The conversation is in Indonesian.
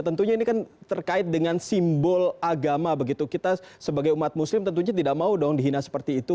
tentunya ini kan terkait dengan simbol agama begitu kita sebagai umat muslim tentunya tidak mau dong dihina seperti itu